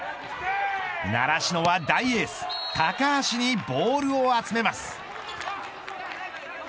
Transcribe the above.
習志野は大エース高橋にボールを集めます。